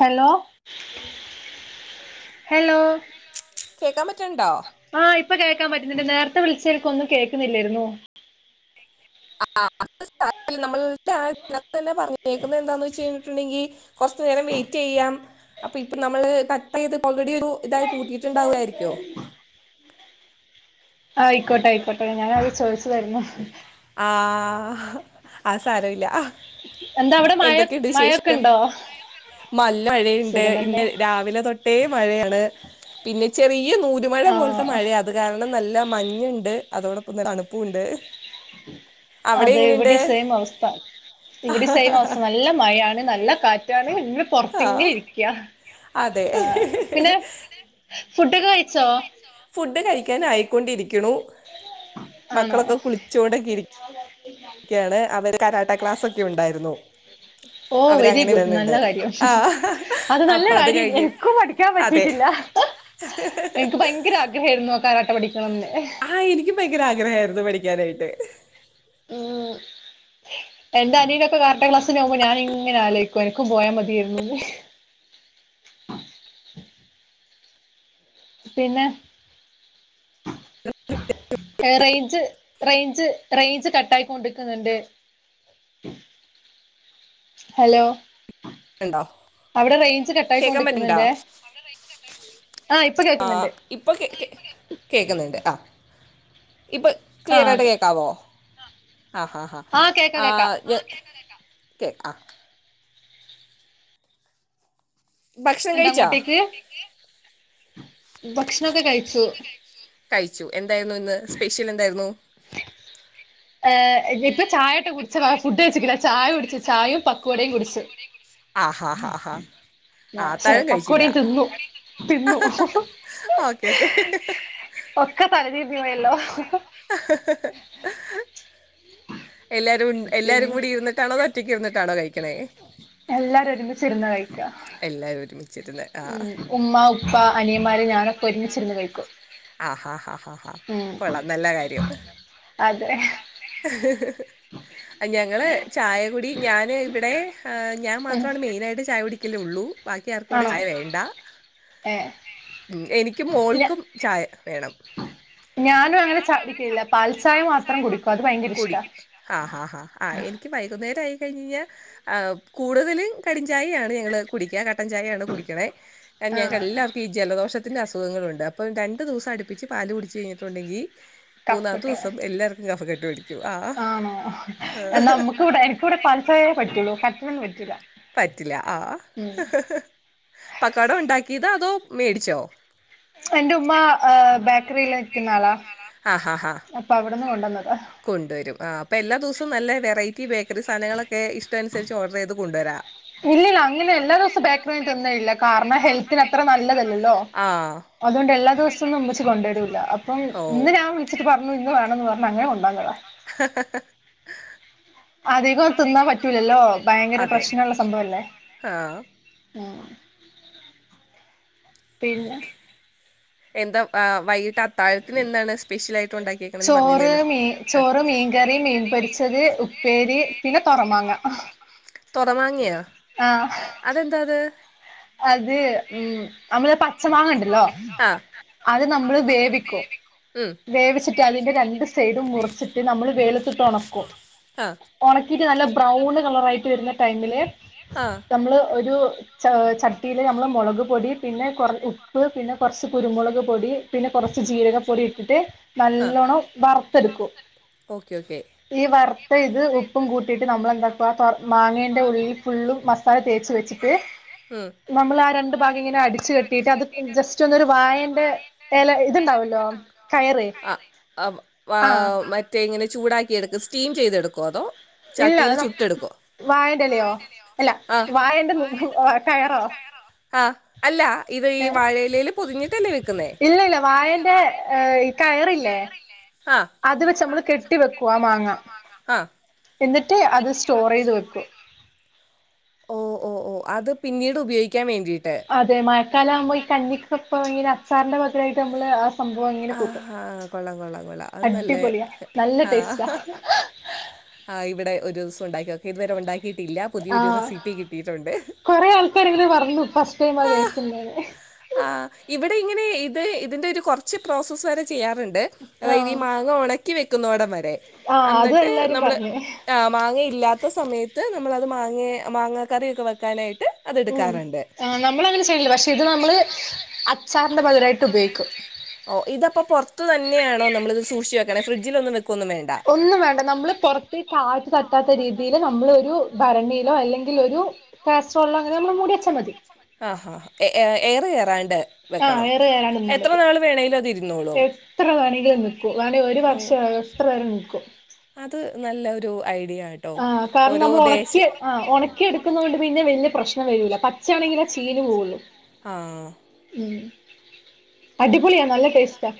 Hello.. hello കേൾക്കാൻ പറ്റണ്ടോ ആഹ് ഇപ്പൊ കേൾക്കാൻ പറ്റുന്നുണ്ട് നേരത്തെ വിളിച്ചേപ്പം നിക്കൊന്നും കേൾക്കുന്നില്ലായിരുന്നു ആ നമ്മ തന്നെ പറഞ്ഞ കേക്കുന്നത് എന്താന്ന് വെച്ച് കഴിഞ്ഞിട്ടുണ്ടെങ്കിൽ. കുറച്ചു നേരം വെയിറ്റ് ചെയ്യാം. അപ്പൊ ഇപ്പൊ നമ്മള് കട്ടായത് ഓൾറെഡി ഒരു ഇതായി കൂട്ടിയിട്ടുണ്ടാവുകയായിരിക്കോ. ആ ആയിക്കോട്ടെ ആയിക്കോട്ടെെ, ഞാനത് ചോദിച്ചതാരുന്നു ആ ആ ഹ് അതുസാരല്ല. എന്താ അവിടെ മഴ എന്തൊക്കെയുണ്ട് മഴൊക്കെ വിശേഷം, ഉണ്ടോ മഴയൊക്കെയുണ്ടോ? നല്ല മഴയുണ്ട്. സുഖം തന്നെ ഇന്ന രാവിലെ തൊട്ടേ മഴയാണ്. പിന്നെ ചെറിയ നൂരു മഴ ആ പോലത്തെ മഴയാ രാവിലെ നല്ല മഞ്ഞുണ്ട്, അതോടൊപ്പം നല്ല തണുപ്പും ഉണ്ട് അതെ ഇവിടെ സെയിം അവസ്ഥ. ഇവിടെ സെയിം ഈ മാസം നല്ല മഴയാണ്, നല്ല കാറ്റാണ്. ഇങ്ങ് ആ പുറത്തിങ്ങനെ ഇരിക്കുക അതെ ഹ്ഹ്ഹ്.. ഫുഡ് കഴിച്ചോ ഫുഡ് കഴിക്കാൻ ആയിക്കൊണ്ടിരിക്കുന്നു. മക്കളൊക്കെ കുളിച്ചോണ്ടൊക്കെയിരിക്കുന്നു ഇരിക്ക ആ ആണ് അവന് കരാട്ട ക്ലാസ് ഒക്കെ ഉണ്ടായിരുന്നു ഓ! വെരി അവരങ്ങനെ ഗുഡ്. നല്ല വരുന്നുണ്ട് കാര്യം ആഹ് അത് നല്ല അപ്പൊ കാര്യം അല്ലേ. കഴിഞ്ഞ് എനിക്കും പഠിക്ക പഠിക്കാൻ അതെ പറ്റിട്ടില്ല. ഹ്ഹ്.. എനിക്ക് ഭയങ്കര ആഗ്രഹായിരുന്നു. ആ കരാട്ട പഠിക്കണന്ന്. ആ എനിക്കും ഭയങ്കര ആഗ്രഹായിരുന്നു പഠിക്കാനായിട്ട് ഉം.. എന്റെ അനിയനൊക്കെ കരാട്ട ക്ലാസ്സിന് പോകുമ്പോ ഞാനിങ്ങനെ ആലോചിക്കും, എനിക്കും പോയാ മതിയായിരുന്നെന്ന്. പിന്നെ റേഞ്ച്, റേഞ്ച്, റേഞ്ച് കട്ടായിക്കൊണ്ടിരിക്കുന്നുണ്ട് ഹലോ! ഉണ്ടോ അവിടെ റേഞ്ച് കട്ടായി കേക്കാൻ പറ്റണ്ടോ കൊണ്ടിരിക്കുന്നുണ്ടേ ആ ഇപ്പൊ കേൾക്കുന്നുണ്ട് ഇപ്പ കേൾക്കുന്നുണ്ട് ആ. ഇപ്പം ആഹ് ക്ലിയറായിട്ട് അതെ കേൾക്കാവോ ആ ഹ ഹാ ആഹ് കേക്കാം ആ കേക്കാം കേ ആ ഭക്ഷണം കേൾക്കുന്നുണ്ടാ കഴിച്ചോ അങ്ങോട്ടേക്ക്. ഭക്ഷണൊക്കെ കഴിച്ചു കഴിച്ചു എന്തായിന്നുഇന്ന് സ്പെഷ്യൽ എന്തായിരുന്നു ഹ് ഇപ്പൊ ചായട്ടൊ കുടിച്ച് ഫുഡ് വെച്ചക്കില്ല ചായ കുടിച്ച് ചായും പക്കവടയും കുടിച്ച് ആഹഹഹ നാ ശേ പക്കുവടേം തിന്നു തിന്നു ഓക്കെ ഓക്കെ ഒക്കെ തലതിരിനുപൊയലൊ [inaudible] എല്ലാരും എല്ലാരും പിന്നെ കൂടി ഇരുന്നിട്ടാണോ അതൊ ഒറ്റക്ക് ഇരുന്നിട്ടാണോ കഴിക്കണേ എല്ലാരും ഒരുമിച്ചിര്ന്ന കഴിക്ക എല്ലാരുംഒരുമി ഉം ഉമ്മ ഉപ്പ അനിയന്മാര് ഞാനൊക്കെ ഒരുമിച്ചിരുന്നു കഴിക്കും ആ ഹാ ഹാ ഹാ ഹാ ഉം കൊള്ളാം നല്ല കാര്യം അതെ അതെ ഞങ്ങൾ ചായ കുടി ഞാൻ ഇവിടെ ഞാൻ ഉം മാത്രാണ് മെയിനായിട്ട് ചായ കുടിക് കിലൊള്ളു ബാക്കി ആർക്കും ആണോ ചായ വേണ്ട ഏ എനിക്കും ഞ മൊൾക്കും ചായ വേണം ഞാനും അങ്ങനെ ചാടിക്കില്ല പാൽചായ മാത്രം കുടിക്കും അത് ഭയങ്കര ഇഷ്ട ആ ഹാ ഹാ ആ എനിക്ക് വൈകുന്നേര ആയി കഴിഞ്ഞ ആം കൂടുതലും കരിചായയാണ് ഞങ്ങള് കുടിക്ക കട്ടൻ ചായയാണ് കുടിക് ആ ഞങ്ങൾ എല്ലാർക്കും ഈ ജലദോഷത്തിന്റെ അസുഖങ്ങളുഉണ്ട് പ്പം രണ്ടു ദിവസം അടുപ്പിച്ച് പാല് കുടിച്ച് കഴിഞ്ഞിട്ടുണ്ടെങ്കിൽ കഫ് കട്ട് മൂന്നാമത്തെഊസം എല്ലാർക്കും കഫകെട്ട് പിടി ആണോ നമുക്ക് വടെ എനക്ക് പാൽചയേ പറ്റുള്ളൂ കട്ടനൊന്നും പറ്റുല പറ്റില ആഅ പകൗട ഉണ്ടാക്കിയതാ അതോ മേടിച്ചോ എന്റെ ഉമ്മ ഹ് ബേക്കറിൽ നിൽക്ന്ന ആളാ ആഹഹ പ്പ അവ്ട്ന്ന് കൊണ്ടന്നാത കൊണ്ടുവരും ആ അപ്പൊ എല്ലാ ദിവസവും നല്ല വെറൈറ്റി ബേക്കറി സാധനങ്ങളൊക്കെ ഇഷ്ട അനുസരിച്ച് ഓർഡറീത് കൊണ്ടുവരാ ഇല്ലല അങ്ങനെ എല്ലാ ദിവസവും ബേക്കറി തിന്നലില്ല കാരണം ഹെൽത്തിന് അത്ര നല്ലതല് ആഹ് അതുകൊണ്ട് എല്ലാ ദിവസൊന്നും ഉമ്മച്ചി കൊണ്ടുവരൂല അപ്പം ഓഹ് ഇന്ന് ഞാൻ വിളിച്ചിട്ട് പറഞ്ഞു ഇന്ന് വേണം എന്ന് പറഞ്ഞു അങ്ങനെ കൊണ്ടന്നതാ ഹഹഹ അധികം തിന്നാൻ പറ്റൂലല്ലോ ഭയങ്കര അതെ പ്രശ്നള്ള സംഭവല്ലേ ആഹ് ഉം പിന്നെ എന്ത വൈകിട്ട് അത്ത് ചോറ് പറഞ്ഞില്ലല്ലോ മീ ആഹ് ചോറ് മീൻകറിം മീൻപൊരിച്ചത് ഉപ് പേരി പിന്നെ തൊറമാങ്ങ തൊറമാങ്ങിയൊ ആ അതെന്താത് അത് ഉം അമ്മള് പച് പച്ച മാങ്ങണ്ടല്ലോ ആഹ് അത് നമ്മള് വേവിക്കും ഉം വേവിച്ചിട്ട് അതിന്റെ രണ്ട്‌സൈഡും മുറിച്ചിട്ട് നമ്മള് വേലത്തിട്ട് ഒണക്കും ആഹ് ഒണക്കിയിട്ട് നല്ല ബ്രൗണ് കളറായിട്ട് വരുന്ന ടൈമില് അ നമ്മൾ ഒരു ച് ചട്ടിയിൽ നമ്മൾ മുളക് പൊടി പിന്നെ കൊർ ഉപ്പ് പിന്നെ കൊറച്ച് കുരുമുളക് പൊടി പിന്നെ കൊറച്ച് ജീരകപ്പൊടി ഇട്ടിട്ട് ആഹ് നല്ലോണ്ണം വറുത്തെടുക്കും ഓക്കെ ക്കെ ഈ വറുത്ത ഇത് ഉപ്പും കൂട്ടിയിട്ട് നമ്മളെ എന്താക്ക മാങ്ങേന്റെ ഉള്ളിൽ ഫുള്ളും മസ് ല തേച് വെച്ചിട്ട് ഹും നമ്മൾ ആ രണ്ടു ഭാഗം ഇങ്ങനെ അടിച്ചു കെട്ടിയിട്ട് അത് ജസ്റ്റ് ഒന്നൊരു വാഴന്റെ എല ഇതുണ്ടാവല്ലോ കയറ് ആ മ ആഹ് [unintelligible] മറ്റെ ഇങ്ങനെ ചൂടാക്കി എടുക്ക സ്റ്റീം ചെയ്തെടുക്കോ അതോ ചട്ടിയിൽ ഇല്ല ചുട്ടെടുക്കോ വാഴന്റെലയോ അല്ല ആ വാഴന്റെ കയറോ ആ അല്ല ഇത് ഈ വാഴയിലേൽ പൊതിഞ്ഞിട്ടല്ലേ വെക്കുന്നേ ഇല്ല ല്ല വാഴന്റെ ഏ് കയറില്ലേ ആ അത് വെച്ച് നമ്മള് കെട്ടി വെക്കും ആ മാങ്ങ ആഹ് എന്നിട്ട് അത് സ്റ്റോറൈത് വെക്കും ഓഹ് ഓഹ് ഒ ഓഹ് അത് പിന്നീട് ഉപയോഗിക്കാൻ വേണ്ടിട്ട് അതെ മഴക്കാല ആകുമ്പോൾ ഈ കഞ്ഞിക്കപ്പം ഈ അച്ചാറിൻ്റെ പകരായിട്ട് നമ്മൾ സംഭവം ഇങ്ങനെ ആ കൂട്ടും ആ, കൊള്ളാം കൊള്ളാം കൊള്ളാം അത് നല്ല അടിപൊളിയ നല്ല ആ ടേസ്റ്റാ ആ ഇവിടെ ഒരു ദിവസം ഉണ്ടാക്ക്യാ ക്കെ ഇതുവരെ ഉണ്ടാക്കിയിട്ടില്ല പുതിയൊരു റെസിപ്പി കിട്ടിയിട്ടുണ്ട് ഇപ്പോ റിവില പറഞ്ഞു ഫസ്റ്റ് ടൈം ആ കേൾക്കുന്നന് ആ ഇവിടെ ഇങ്ങനെ ഇത് ഇതിന്റെ ഒരു കുറച്ച് പ്രോസസ്സ് വരെ ചെയ്യാറ്ണ്ട് അതായത് ഈ ആഹ് മാങ്ങ ഉണക്കി വെക്കുന്നോടം വരെ ആഹ് അതും അന്നിട്ട് എല്ലാരും നമ്മള് പറഞ്ഞ് ആമാങ്ങയില്ലാത്ത സമയത്ത് നമ്മളത് മാങ്ങ മാങ്ങ കറിയൊക്കെ വെക്കാനായിട്ട് അത് എടുക്കാറുണ്ട് ഉംആ നമ്മള അങ്ങനെ ചെയ്യല്ല പക്ഷെ ഇത് നമ്മള് അച്ചാറിന്റെ പകരായിട്ട് ഉപയോഗിക്കും ഓ ഇതപ്പോ പുറത്തത്ത് തന്നെയാണോ നമ്മളിത് സൂക്ഷിച്ച വെക്കണ ഫ്രിഡ്ജിൽ ഒന്നും വെക്കൊന്നും വേണ്ട ഒന്നും വേണ്ട നമ്മള് പൊറത്ത് കാറ്റ് തട്ടാത്ത രീതിൽ നമ്മൾ ഒരു ഭരണിയിലോ അല്ലെങ്കിൽ ഒരു കാസ്ട്രോളോ അങ്ങെ നെനമ്മൾ മൂടി ച്ചാ മതി ആഹാ എയറ് കേറാണ്ട് ആ വെക്കണം എയർ കയറാണ്ട് നിന്നാൽ എത്ര മതി നാൾ വേണലും അത് ഇരുന്നോളും എത്ര വേണങ്കിലും നിക്കും വേണെങ്കിൽ ഒരു വർഷം എത്ര വേണേലും നിക്കും അത് നല്ലൊരു ഐഡിയ ആ ആ കാരണം നമ്മൾ ഉണക്കി ആ ഒണ ക്കി എടുക്കുന്നത് കൊണ്ട് പിന്നെ വലിയ പ്രശ്നം വരൂലാ പച്ചയാണെങ്കിൽ ആ ചീഞ്ഞ് പോവൊള്ളു ആഹ് ഉം അടിപൊളിയാ നല്ല ടേസ്റ്റാ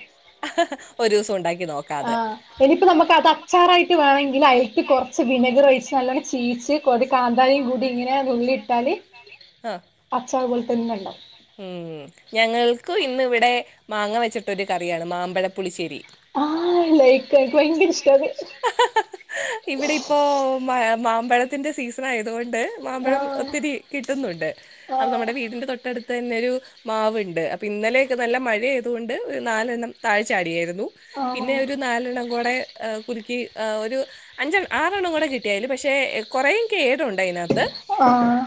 ഒരു ദിവസം ഉണ്ടാക്കി നോക്കാം അത് ആഹ് ഇനിയിപ്പ നമുക്ക് അത് അച്ചാറായിട്ട് വേണങ്കിൽ അയിൽക്ക് കുറ പക്ഷെ വിനഗർ ഒഴിച്ച നല്ലോണ്ണം ചീസ്കൊതി കാന്താരിംകൂട്ടി ഇങ്ങനെ ഇങ്ങനെ ന്നുള്ളി ഇട്ടാല് ആ അച്ചാർ പോൽ തന്നെ ണ്ടാവും ഉം ഞങ്ങൾക്ക് ഇന്ന് ഇവിടെ മാങ്ങ വെച്ചിട്ടൊരു കറിയാണ് മാമ്പഴപ്പുളിശ്ശേരി ആഹ് ലൈക്ക് എനിക്ക് ഭയങ്കര ഇഷ്ടാ ത് ഹ ഹ ഹഇവിടെ ഇപ്പോ മാമ്പഴത്തിന്റെ സീസൺ ആയതൊണ്ട് മാമ്പഴം ആഹ് ഒത്തിരി കിട്ടുന്നുണ്ട് അത് ആഹ് നമ്മുടെ വീടിന്റെ തൊട്ടടുത്ത് തന്നെ ഒരു മാവുണ്ട് അപ്പൊ ഇന്നലെക്കെ നല്ല മഴ ആയതുകൊണ്ട് നാലെണ്ണം താഴെചാടിയായിരുന്നു ന്നു ആണോ പിന്നെ ഒരു നാലെണ്ണം കൂടെ കുൽക്കി ഒരു അഞ്ച ആറെ എണ്ണം കൂടെ കിട്ടിയല് പക്ഷേ കൂറെയ് കേട് ഉണ്ട് അയ്നകത്ത് ആഹ്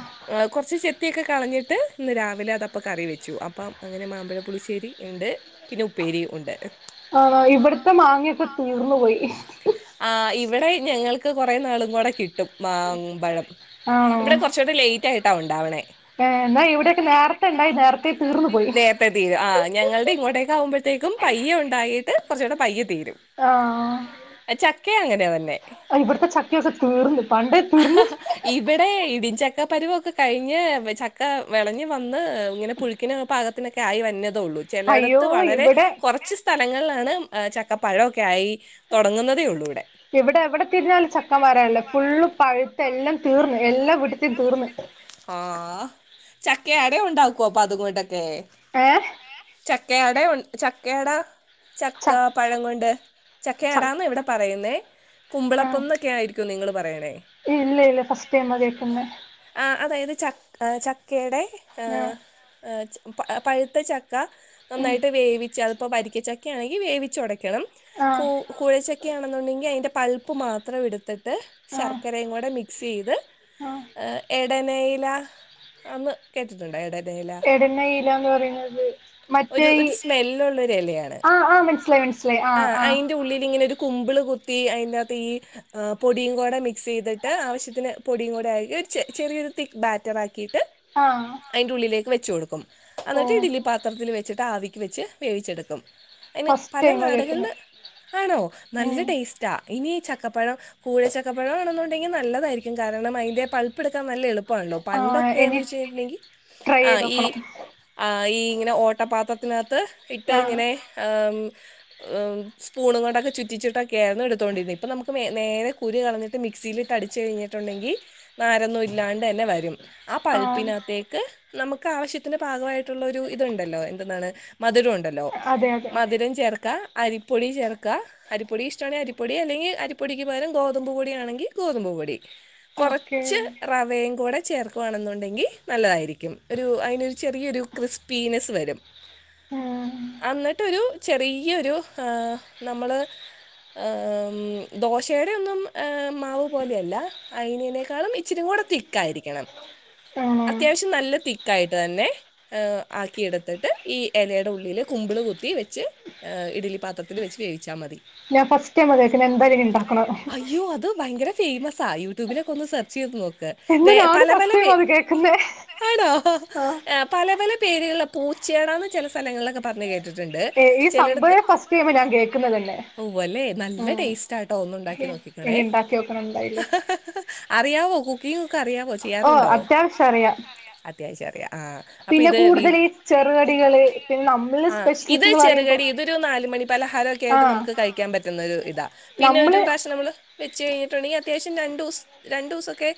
കുറച്ച് ചെത്തിയൊക്കെ കളഞ്ഞിട്ട് ഇന്ന് രാവിലെ അതപ്പം കറി വെച്ചു അപ്പം അങ്ങനെ മാമ്പഴ പുളിശ്ശേരി ഉണ്ട് പിന്നെ ഉപ്പേരി ഉണ്ട് ആഹ് ഇവിടത്തെ മാങ്ങയൊക്കെ തീർന്നു പോയി ആ ഇവിടെ ഞങ്ങൾക്ക് കുറേ നാളും കൂടെ കിട്ടും മാമ്പഴം ആണോ ഇവിടെ കുറച്ചൂടെ ലൈറ്റ് ആയിട്ടാ ഉണ്ടാവണേ ഏ എന്നാ ഇവിടെയക്കെ നേരത്തെ ഉണ്ടായി നേരത്തെ തീർന്നു പോയി നേരത്തെ തീരും ആ ഞങ്ങളുടെ ഇങ്ങോട്ടേക്ക ആകുമ്പഴത്തേക്കും പയ്യ ഉണ്ടായിട്ട് കുറച്ചൂടെ പയ്യ തീരും ആ ഹ്ആഹ് ചക്ക അങ്ങനെ തന്നെ അഇവിടുത്തെ ചക്കയൊക്കെ തീർന്ന് പണ്ടേ ആ അഹാ തീർന്ന് ഇവിടെ ഇടിചക്ക പരുവൊക്കെ കഴിഞ്ഞ് ചക്ക വിളഞ്ഞ് വന്ന് ഇങ്ങനെ പുഴ ക്കിന്പാകത്തിനൊക്കെ ആയി വന്നതേ ഉള്ളൂ അയ്യോ ചിലയിടത്ത് വളരെ ഇവിടെ കുറച്ച് സ്ഥലങ്ങളിലാണ് ചക്കപ്പഴൊക്കെ ആയി തുടങ്ങുന്നതേ ഉള്ളൂ ഇവിടെ ഇവിടെ എവിടെ തിരിഞ്ഞാലും ചക്ക മരാണ്, ഫുള്ള് പഴുത്ത് എല്ലാം തീർന്ന്, എല്ലാം വീട്ടിത്തെയും തീർന്ന്. ആഹ് ചക്ക അട ഉണ്ടാക്കോ അപ്പ അതുംങ്ങോട്ടൊക്കെ. ഏഹ് ചക്കയട ഉണ് ചക്കയട ചക്ക ച പഴം കൊണ്ട് ച ചക്കയടാന്ന് ഇവിടെ പറയുന്നേ. ആഹ് കുമ്പളപ്പംന്നൊക്കെ ആയിരിക്കോ നിങ്ങള് പറയണേ. ഇല്ല ഇല്ല ഫസ്റ്റ് ടൈമാ കേൾക്കുന്നെ ആ അതായത് ചക് ആഹ് ചക്കയുടെ ആഹ് എഹ് ച പ് പഴുത്ത ച ക്ക ഉം നന്നായിട്ട് വേവിച്ച് അതിപ്പോ വാരിക്കച്ചക്ക ആയി വേവിച്ച് ഒടക്കണം കൂ ആഹ് കൂഴച്ചക്ക ആണെന്നുണ്ടെങ്കി അയിൻ്റെ പൾപ്പ് മാത്രം എടുത്തിട്ട് ശർക്കരയും കൂടെ മിക്സ് ചെയ്ത് ആഹ് എഹ് എടനയില എന്ന് കേട്ടിട്ടുണ്ടോ? എടനയില. [unintelligible] ഇല എന്ന് പറയുന്നത് ഒരു മറ്റേ ഇ ഒരു സ്മെല്ലുള്ളൊരു ഇലയാണ് ആഹ് ആഹ് മനസ്സിലായി മനസ്സിലായി ആഹ് ആഹ് ന്റെ ഉള്ളിൽ ഇങ്ങനെ ഒരു കുമ്പിള് കുത്തി അയിനാത്ത് ഈ ഏ പൊടിയും കൂടെ മിക്സ് ചെയ്തിട്ട് ആവശ്യത്തിന് പൊടിയും കൂടെ ആക്കി ഒരു ചെ ചെറിയൊരു തിക്ക് ബാറ്റർ ആക്കിയിട്ട് ആഹ് അയിൻ്റെ ഉള്ളിലേക്ക് വെച്ചു കൊടുക്കും, അന്നിട്ട് ഇഡലി പാത്രത്തിൽ വെച്ചിട്ട് ആവിക്ക് വെച്ച് വേവിച്ചെടുക്കും. അയിന് ഫസ്റ്റ് പല ടൈമാ കേൾക്കുന്നെ നാട്കളില് ആണോ നല്ല ഉം ടേസ്റ്റാ. ഇനി ചക്കപ്പഴം കൂഴ ചക്കപ്പഴംമാണെന്നുണ്ടെങ്കി നല്ലതായിരിക്കും, കാരണം അയിന്റെ പൾപ്പ് എടുക്കാൻ നല്ല എള് പ്പാണോ ആ പണ്ടൊക്കെന്ന് ഇനി വെച്ചിണ്ടെങ്കി ട്രൈ ആ ഈ ചെയ്തോക്കണം ആ ഈ ഇങ്ങനെ ഓട്ടപാത്രത്തിനാത്ത് ഇട്ട് ആ ഇങ്ങനെ ആം ഏ സ്പൂണും കൊണ്ടൊക്ക ചുറ്റിച്ചിട്ടൊക്കെ ആയിരുന്നു എടുത്തോണ്ടിരുന്നെ, ഇപ്പം നമുക്ക് മേ നേരെ കുരു കളഞ്ഞി ഞ്ഞിട്ട് മിക്സിലിട്ട് അടിച്ച് കഴിഞ്ഞിട്ടുണ്ടെങ്കി നാരൊന്നും ഇല്ലാണ്ടന്നെ വരും. ആ പൾപ്പിനാത്തേക്ക് നമുക്ക് ആവശ്യത്തിന്റെ ഭാഗമായിട്ടുള്ള ഒരു ഇതുണ്ടല്ലോ എന്ത്‌ന്നാണ് മധുരം ഉണ്ടല്ലോ അതെ അതെ മധുരം ചേർക്ക, അരിപ്പൊടി ചേർക്ക അരിപ്പൊടി ഇഷ്ടാണെ അരിപ്പൊടി അല്ലെങ്കി അരിപ്പൊടിക്ക് പകരം ഗോതമ്പ് പൊടിയണെങ്കി ഗോതമ്പ് പൊടി. ഓക്കെ കൊറച്ച് റവയും കൂടെ ചേർ ക്കുവാണെന്നുണ്ടെങ്കി നല്ലതായിരിക്കും, ഒരു അയിനൊരു ചെറിയൊരു ക്രിസ്പിനെസ്സ് വരും. ഉം അന്നിട്ടൊരു ചെറിയൊരു ആഹ് നമ്മള് ദോശേടെ ഒന്നും മാവ് പോലെയല്ല. അയിനേനേക്കാളും ഇച്ചിരി കൂടെ തിക്കായിരിക്കണം. ഉം അത്യാവശ്യം നല്ല തിക്കായിട്ട് തന്നെ എഹ് ആക്കി എടുത്തിട്ട് ഈ എലയുടെ ഉള്ളില് കുമ്പിള് കുത്തി വെച്ച് എഹ് ഇഡലി പാത്രത്തില് വെച്ച് വേവിച്ചാ മതി. ഞാൻ ഫസ്റ്റ് ടൈം അത് കേക്കണേ എന്തായാലും ഇനി ഇണ്ടാക്കണം. ഓ അത് ഭയങ്കരെ ഫേമസാ യൂട്യൂബിലൊക്ക ഒന്ന് സെർച്ച്‌ ചെയ്ത് നോക് ക്ക് എന്നാ വേ ഞാനും പല പല ഫസ്റ്റ് വേ ടൈമാ അത് കേൾക്കുന്നേ ആണോ? ആ പല പല പേരുകളില പൂച്ചേയടാന്ന് ചെല സ്ഥലങ്ങളിലൊക് പറഞ്ഞ് കേട്ടിട്ടിണ് ഏ ഈ സംഭവെ ഫസ്റ്റ് ടൈം ഞാൻ കേക്കുന്നത് തന്നെ. ഉവ്വല്ലേ നല്ല ഉം ടേസ്റ്റ് ആയിട്ടോ ഒന്ന് ഉണ്ടാക്കി ഇനി നോക്കിക്കോണേ. ഇണ്ടാക്കി നോക്കണം എന്തായാലും അറിയാവോ കുക്കിംഗ്‌ ഒക്കെ അറിയാവോ ഓ ചെയ്യാറുണ്ടോ? അത്യാവശ്യം അറിയാം അത്യാവശ്യം അറിയാം ആഹ് അപ്പ പിന്നെ ഇത് എഹ് വീ കൂടുതൽ ഈ ചെറുകടികള് പിന്നെ നമ്മള് ആ ഇത് സ്പെഷ്യൽസ്ന്ന് പറയുമ്പോ ചെറുകടി ഇതൊരു നാലു മണി പലഹാരൊക്കെ ആയിട്ട് ആഹ് നമുക്ക് കഴിക്കാൻ പറ്റുന്ന ഒരു ഇതാ, പിന്നെ ഒരു നമ്മള് പ്രാവശ്യം നമ്മള് വെച്ച് കഴിഞ്ഞിട്ടുണ്ടെങ്കി അത്യാവശ്യം രണ്ടൂസ് രണ്ടുസൊക്കെ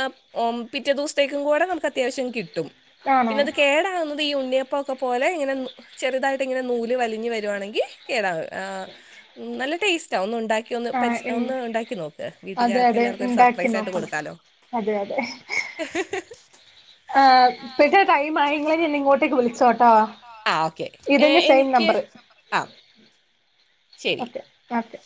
അം ഉം പിറ്റേ ദിവസത്തേക്കും കൂടെ നമുക്ക് അത്യാവശ്യം കിട്ടും. ആണോ പിന്നെ അത് കേടാവുന്നത് ഈ ഉണ്ണിയപ്പൊക്കെ പോലെ ഇങ്ങനെ ന് ചെറുതായിട്ട് ഇങ്ങനെ നൂല് വലി ഞ്ഞ് വരുവാണെങ്കി കേടാവും, ആഹ് മ് നല്ല ടേസ്റ്റാ ഒന്നുണ്ടാ ക്കി ഒന്ന് ആഹ് പരിസ് ഇൻ ഒന്ന് ഇണ്ടാക്കി നോക്ക്, അതെ വീട്ടുകാർക്ക് അതെ എല്ലാവർക്കും ഒരു ഇണ്ടാക്കി സർപ്രൈസായിട്ട് നോക്കണം കൊടുക്കാലോ. അതെ അതെ ആഹ് ഇപ്പഴ്ത്തെ ടൈം ആയി ഇങ്ങള് ഇനി എന്നെ ഇങ്ങോട്ടേക്ക് വിളിച്ചോ ട്ടൊ ആ ഓക്കെ ഇതന്നെ സെയിം എനിക്ക് നമ്പറ് ആ ശരി ഓക്കെ ഓക്കെ